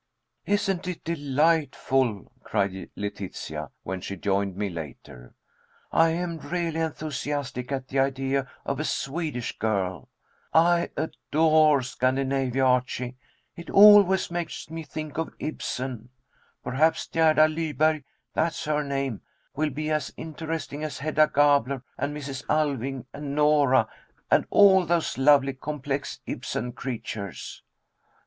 "Isn't it delightful?" cried Letitia, when she joined me later. "I am really enthusiastic at the idea of a Swedish girl. I adore Scandinavia, Archie. It always makes me think of Ibsen. Perhaps Gerda Lyberg that's her name will be as interesting as Hedda Gabler, and Mrs. Alving, and Nora, and all those lovely complex Ibsen creatures."